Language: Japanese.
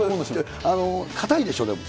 硬いでしょ、でも。